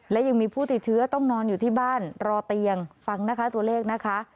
และยังมีผู้ติดเชื้อต้องนอนอยู่ที่บ้านรอเตียงฟังนะคะตัวเลขนะคะ